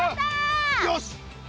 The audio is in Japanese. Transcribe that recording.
よし！